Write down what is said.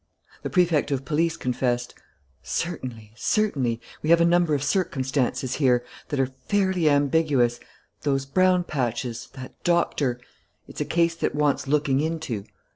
The Prefect of Police confessed: "Certainly, certainly ... we have a number of circumstances here ... that are fairly ambiguous.... Those brown patches; that doctor.... It's a case that wants looking into."